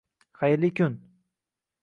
Xayrli kun.